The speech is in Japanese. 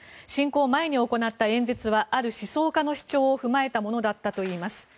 侵攻前に行った演説はある思想家の主張を踏まえたものだったといいます。